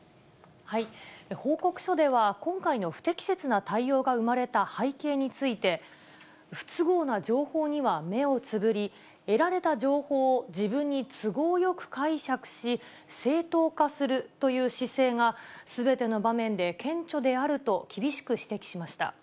報告書では、今回の不適切な対応が生まれた背景について、不都合な情報には目をつぶり、得られた情報を自分に都合よく解釈し、正当化するという姿勢が、すべての場面で顕著であると厳しく指摘しました。